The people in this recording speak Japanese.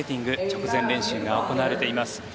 直前練習が行われています。